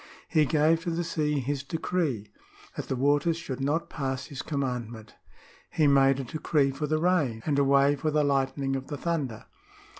" He gave to the sea his decree, that the waters should not pass his commandment." ^" He made a decree for the rain, and a way for the lightning of the t'lunder."